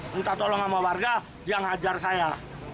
minta tolong sama warga yang hajar saya